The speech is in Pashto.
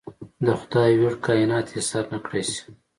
د خدای ویړ کاینات ایسار نکړای شي.